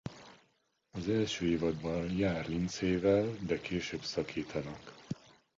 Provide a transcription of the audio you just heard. Az első évadban jár Lindsay-vel de később szakítanak.